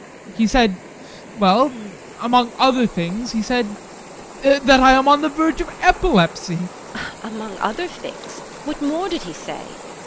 ADOLPH. He said well among other things he said that I am on the verge of epilepsy TEKLA. Among other things? What more did he say?